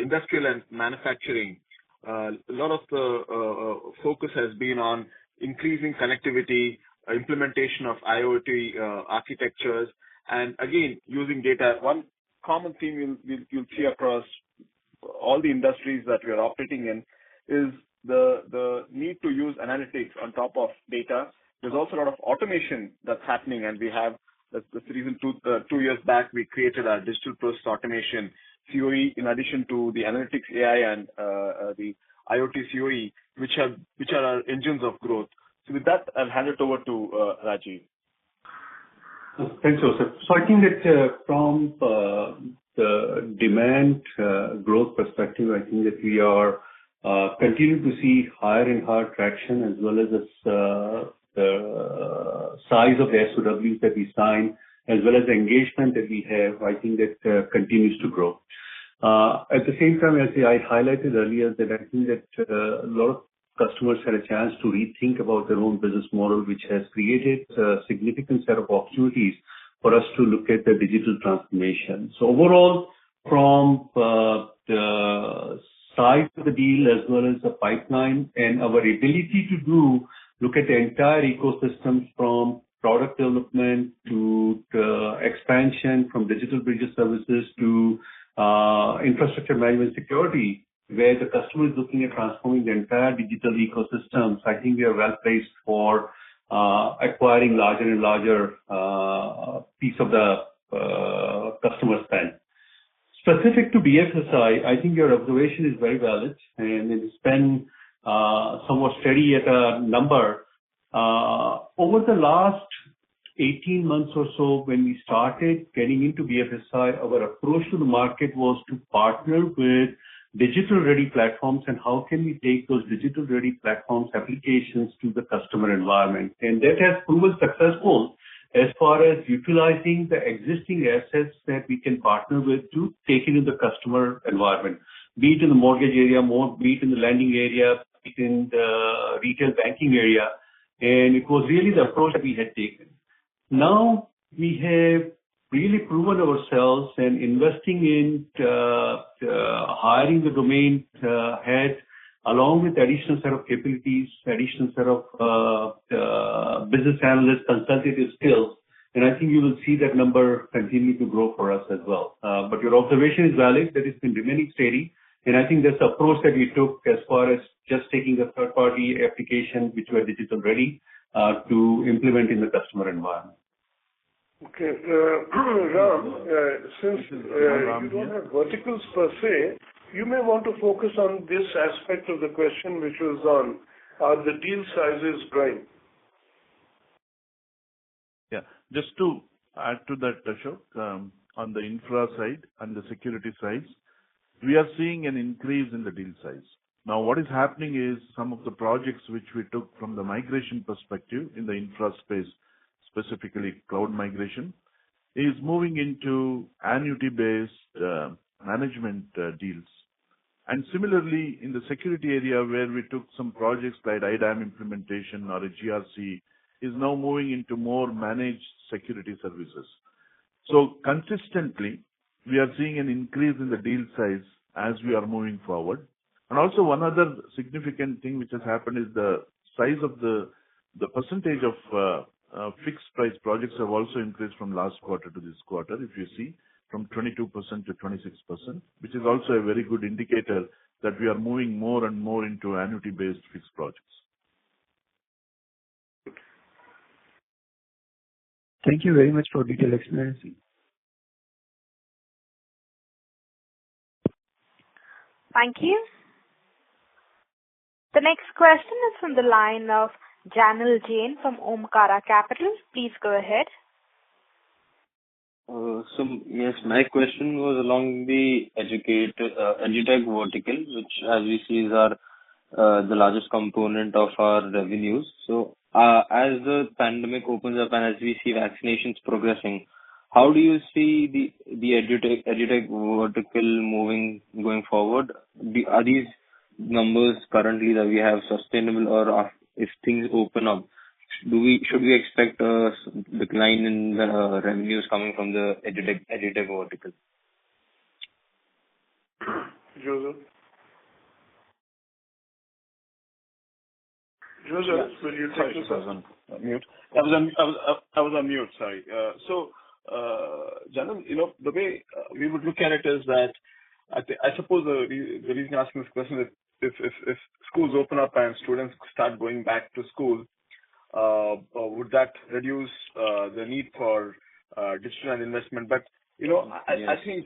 industrial and manufacturing, a lot of the focus has been on increasing connectivity, implementation of IoT architectures, and again, using data. One common theme you'll see across all the industries that we are operating in is the need to use analytics on top of data. There's also a lot of automation that's happening, and that's the reason two years back, we created our digital-first automation COE in addition to the analytics AI and the IoT COE, which are our engines of growth. With that, I'll hand it over to Rajiv. Thanks, Joseph. I think that from the demand growth perspective, I think that we are continuing to see higher and higher traction as well as the size of the SOWs that we sign, as well as the engagement that we have. I think that continues to grow. At the same time, as I highlighted earlier, that I think that a lot of customers had a chance to rethink about their own business model, which has created a significant set of opportunities for us to look at their digital transformation. Overall, from the size of the deal as well as the pipeline and our ability to look at the entire ecosystems from product development to expansion, from Digital Business Services to Infrastructure Management and Security Services, where the customer is looking at transforming the entire digital ecosystem. I think we are well-placed for acquiring larger and larger piece of the customer spend. Specific to BFSI, I think your observation is very valid, and it's been somewhat steady at a number. Over the last 18 months or so, when we started getting into BFSI, our approach to the market was to partner with digital-ready platforms and how can we take those digital-ready platform applications to the customer environment. That has proven successful as far as utilizing the existing assets that we can partner with to take into the customer environment, be it in the mortgage area, be it in the lending area, be it in the retail banking area. It was really the approach that we had taken. We have really proven ourselves and investing in hiring the domain head along with additional set of capabilities, additional set of business analyst consultative skills, and I think you will see that number continue to grow for us as well. Your observation is valid, that it's been remaining steady, and I think that's the approach that we took as far as just taking a third-party application which was digital-ready to implement in the customer environment. Okay. Ram, since you don't have verticals per se, you may want to focus on this aspect of the question, which was on, are the deal sizes growing? Yeah. Just to add to that, Ashok. On the infra side and the security side, we are seeing an increase in the deal size. Now, what is happening is some of the projects which we took from the migration perspective in the infra space, specifically cloud migration, is moving into annuity-based management deals. Similarly, in the security area where we took some projects like IDM implementation or a GRC, is now moving into more managed security services. Consistently, we are seeing an increase in the deal size as we are moving forward. Also, one other significant thing which has happened is the percentage of fixed-price projects have also increased from last quarter to this quarter, if you see, from 22% to 26%, which is also a very good indicator that we are moving more and more into annuity-based fixed projects. Good. Thank you very much for detailed explanation. Thank you. The next question is from the line of Jenil Jain from Omkara Capital. Please go ahead. Yes. My question was along the EdTech vertical, which as we see, is the largest component of our revenues. As the pandemic opens up and as we see vaccinations progressing, how do you see the EdTech vertical moving going forward? Are these numbers currently that we have sustainable or if things open up, should we expect a decline in the revenues coming from the EdTech vertical? Joseph. Joseph, will you take this one? Sorry, I was on mute. I was on mute, sorry. Jenil, the way we would look at it is that, I suppose the reason you're asking this question is if schools open up and students start going back to school, would that reduce the need for digital investment? I think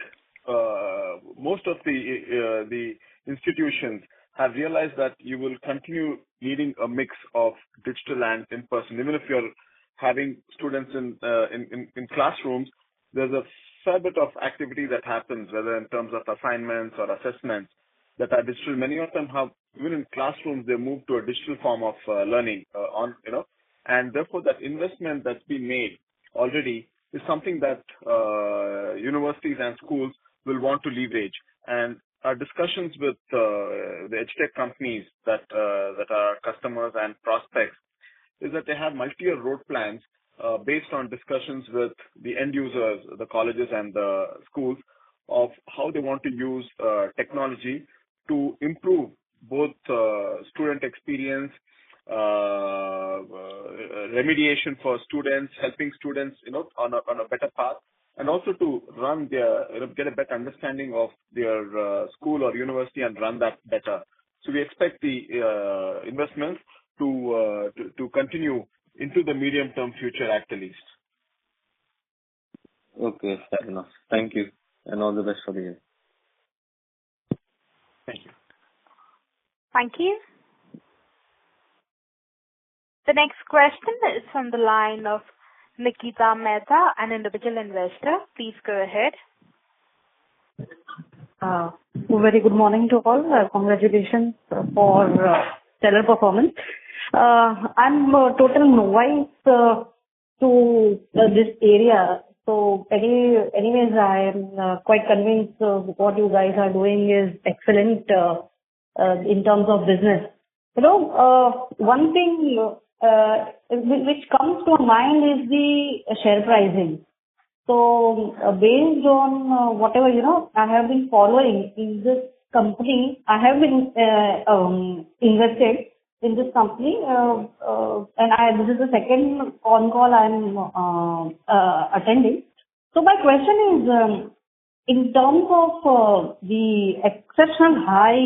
most of the institutions have realized that you will continue needing a mix of digital and in-person. Even if you're having students in classrooms, there's a fair bit of activity that happens, whether in terms of assignments or assessments that are digital. Many of them have, even in classrooms, they move to a digital form of learning. Therefore, that investment that's been made already is something that universities and schools will want to leverage. Our discussions with the EdTech companies that are our customers and prospects is that they have multi-year road plans based on discussions with the end users, the colleges and the schools, of how they want to use technology to improve both student experience, remediation for students, helping students on a better path, and also to get a better understanding of their school or university and run that better. We expect the investments to continue into the medium-term future, at least. Okay, fair enough. Thank you. All the best for the year. Thank you. Thank you. The next question is from the line of Nikita Mehta, an individual investor. Please go ahead. A very good morning to all. Congratulations for stellar performance. I'm totally novice to this area. Anyways, I am quite convinced what you guys are doing is excellent in terms of business. One thing which comes to mind is the share pricing. Based on whatever I have been following in this company, I have been invested in this company, and this is the second phone call I am attending. My question is, in terms of the exceptional high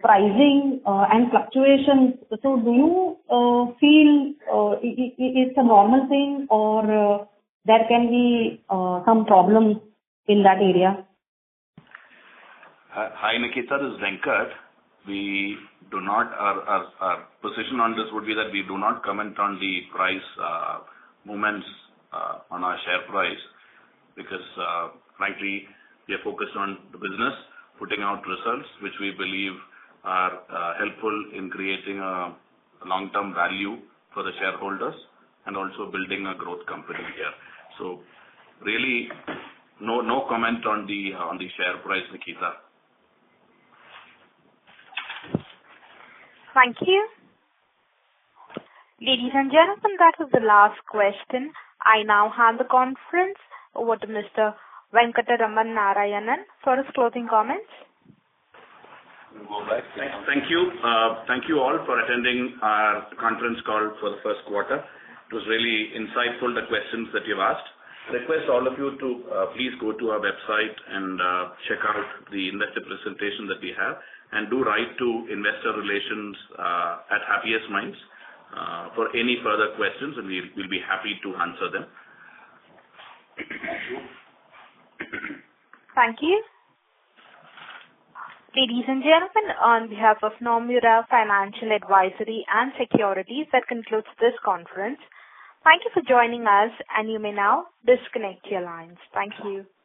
pricing and fluctuations, do you feel it's a normal thing or there can be some problems in that area? Hi, Nikita. This is Venkat. Our position on this would be that we do not comment on the price movements on our share price because frankly, we are focused on the business, putting out results which we believe are helpful in creating long-term value for the shareholders and also building a growth company here. Really, no comment on the share price, Nikita. Thank you. Ladies and gentlemen, that is the last question. I now hand the conference over to Mr. Venkatraman Narayanan for his closing comments. Thank you. Thank you all for attending our conference call for the first quarter. It was really insightful, the questions that you've asked. Request all of you to please go to our website and check out the investor presentation that we have. Do write to Investor Relations at Happiest Minds for any further questions, and we'll be happy to answer them. Thank you. Thank you. Ladies and gentlemen, on behalf of Nomura Financial Advisory and Securities, that concludes this conference. Thank you for joining us, and you may now disconnect your lines. Thank you.